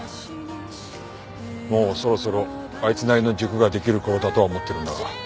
もうそろそろあいつなりの軸が出来る頃だとは思ってるんだが。